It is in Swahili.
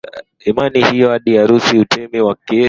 imani hiyo hadi Urusi mtemi wa Kiev Vladimir Mkuu alipokea